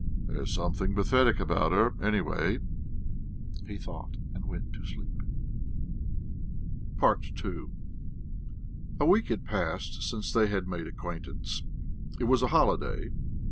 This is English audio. "There's something pathetic about her, anyway," he thought, and fell asleep. II A week had passed since they had made acquaintance. It was a holiday.